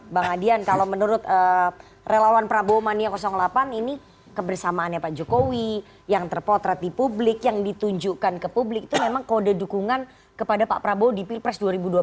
bang adian kalau menurut relawan prabowo mania delapan ini kebersamaannya pak jokowi yang terpotret di publik yang ditunjukkan ke publik itu memang kode dukungan kepada pak prabowo di pilpres dua ribu dua puluh